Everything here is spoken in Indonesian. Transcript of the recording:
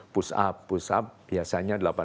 push up push up biasanya